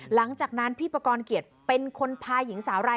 หลังจากนั้นพี่ประกอลเกลียดเป็นคนพายหญิงสาว